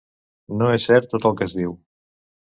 No és cert tot el que es diu.